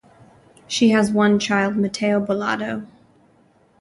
She has one child Mateo Bolado.